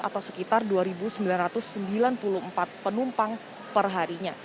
atau sekitar dua sembilan ratus sembilan puluh empat penumpang perharinya